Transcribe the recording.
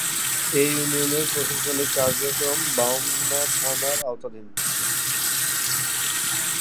এ ইউনিয়নের প্রশাসনিক কার্যক্রম বামনা থানার আওতাধীন।